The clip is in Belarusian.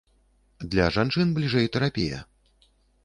Для жанчын бліжэй тэрапія.